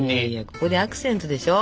ここでアクセントでしょ？